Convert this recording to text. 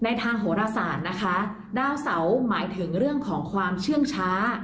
ทางโหรศาสตร์นะคะดาวเสาหมายถึงเรื่องของความเชื่องช้า